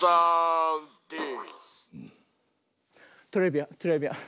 トレビアントレビアン。